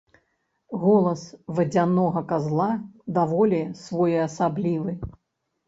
Голас вадзянога казла даволі своеасаблівы.